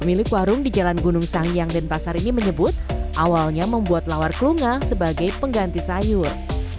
pemilik warung di jalan gunung sangyang denpasar ini menyebut awalnya membuat lawar kelunga sebagai pengganti sayur